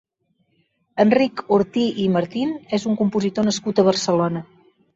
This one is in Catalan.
Enric Ortí i Martín és un compositor nascut a Barcelona.